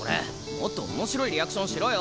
もっと面白いリアクションしろよ！